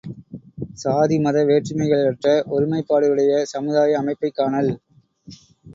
சாதி, மத வேற்றுமைகளற்ற ஒருமைப்பாடுடைய சமுதாய அமைப்பைக் காணல்.